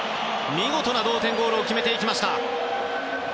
見事な同点ゴールを決めていきました！